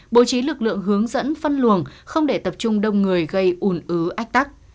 bố trí lực lượng hướng dẫn phân luồng không để tập trung đông người gây ủn ứ ách tắc